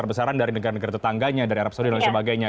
besaran dari negara negara tetangganya dari arab saudi dan lain sebagainya